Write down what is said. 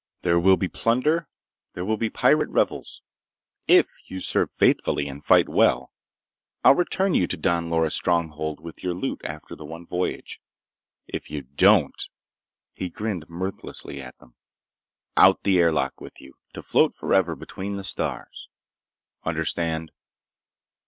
"There will be plunder. There will be pirate revels. If you serve faithfully and fight well, I'll return you to Don Loris' stronghold with your loot after the one voyage. If you don't—" He grinned mirthlessly at them—"out the air lock with you, to float forever between the stars. Understand?"